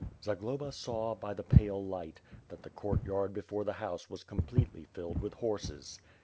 Zagloba saw, by the pale light, that the courtyard before the house was completely filled with horses.